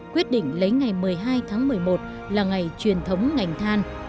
quyết định lấy ngày một mươi hai tháng một mươi một là ngày truyền thống ngành than